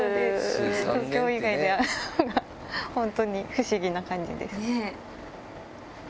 東京以外で会うのが、本当に不思議な感じです。